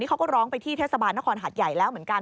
เขาก็ร้องไปที่เทศบาลนครหัดใหญ่แล้วเหมือนกัน